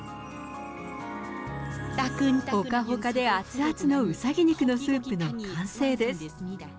ほかほかで熱々のうさぎ肉のスープの完成です。